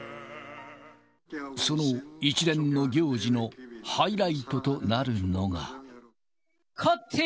その一連の行事のハイライトとなるのが。